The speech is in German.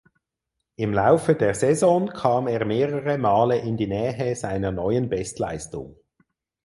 Im Laufe der Saison kam er mehrere Male in die Nähe seiner neuen Bestleistung.